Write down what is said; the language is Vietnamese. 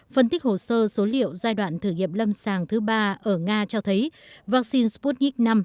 phân tích hồ sơ số liệu giai đoạn thử nghiệm lâm sàng thứ ba ở nga cho thấy vaccine sputnik v